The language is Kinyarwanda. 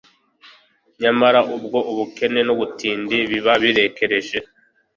nyamara ubwo ubukene n’ubutindi biba birekereje